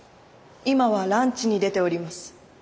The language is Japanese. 今はランチに出ております。